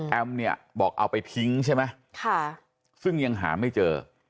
เนี่ยบอกเอาไปทิ้งใช่ไหมซึ่งยังหาไม่เจอ